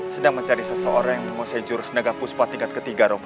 sedang mencari seseorang yang memusnahkan jurus negapus patingan ketiga romo